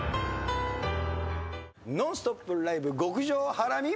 ノンストップライブ極上ハラミ。